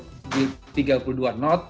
maka untuk sementara pelabuhan bisa berjalan